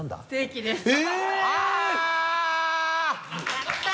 やった！